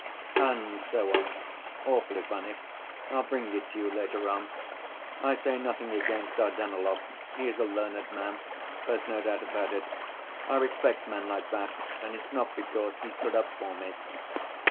And so on, awfully funny, I'll bring it to you later on. I say nothing against Dardanelov, he is a learned man, there's no doubt about it. I respect men like that and it's not because he stood up for me."